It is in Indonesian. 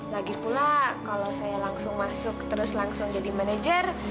lagipula kalau saya langsung masuk terus langsung jadi manajer